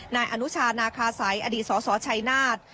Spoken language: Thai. นายอนุชานาคาไสอศชัยนาฏ